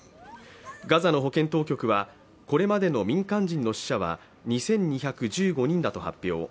ガザの保健当局はこれまでの民間人の死者は２２１５人だと発表。